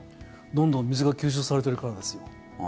どんどん水が吸収されているからですよ。